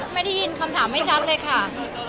ไม่ได้ยินคำถามไม่ชัดเลยค่ะ